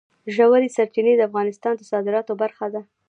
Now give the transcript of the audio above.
ژورې سرچینې د افغانستان د صادراتو برخه ده.